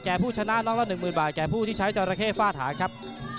แก่ผู้ชนะลองละ๑๐๐๐๐บาทแก่ผู้ที่ใช้จอราเคฟ่าถาครับ